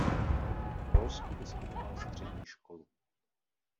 V Polsku vystudoval střední školu.